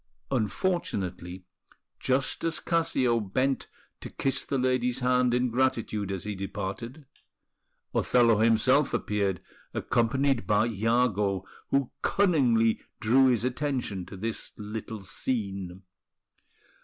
Unfortunately, just as Cassio bent to kiss the lady's hand in gratitude as he departed, Othello himself appeared, accompanied by Iago, who cunningly drew his attention to this little scene.